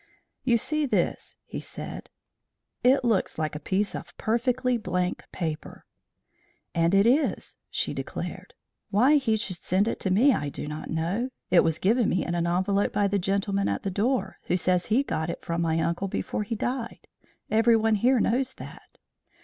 "You see this," he said, "it looks like a piece of perfectly blank paper." "And it is," she declared. "Why he should send it to me I do not know. It was given me in an envelope by the gentleman at the door, who says he got it from my uncle before he died. Everyone here knows that."